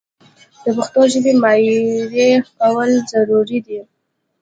د پښتو ژبې معیاري کول ضروري دي.